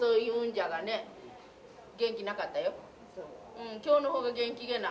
うん今日の方が元気げな。